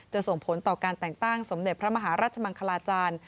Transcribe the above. ส่งผลต่อการแต่งตั้งสมเด็จพระมหาราชมังคลาจารย์